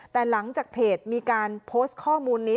แต่หลังจากเพจมีการโพสต์ข้อมูลนี้